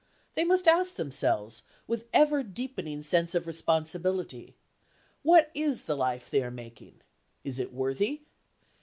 They must ask themselves, with ever deepening sense of responsibility, what is the life they are making? Is it worthy?